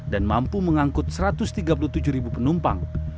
dan mampu mengangkut satu ratus tiga puluh tujuh ribu penumpang